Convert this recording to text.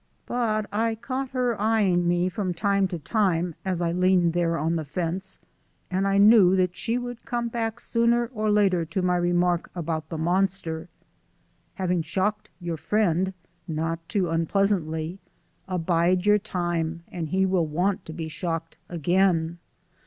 But I caught her eying me from time to time as I leaned there on the fence, and I knew that she would come back sooner or later to my remark about the monster. Having shocked your friend (not too unpleasantly), abide your time, and he will want to be shocked again.